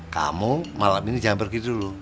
kamu malam ini jangan pergi dulu